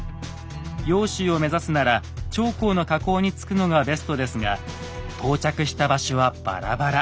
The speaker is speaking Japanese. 揚州を目指すなら長江の河口に着くのがベストですが到着した場所はバラバラ。